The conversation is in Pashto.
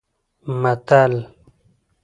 متل